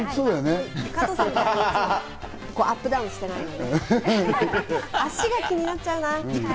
加藤さんみたいにアップダウンしてないので、足が気になっちゃうな。